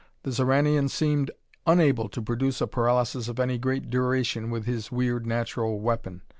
The Xoranian seemed unable to produce a paralysis of any great duration with his weird natural weapon.